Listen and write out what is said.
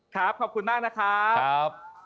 ครับขอบคุณมากนะครับ